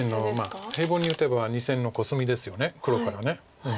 平凡に打てば２線のコスミですよね黒から。